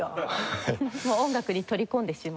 もう音楽に取り込んでしまうっていう。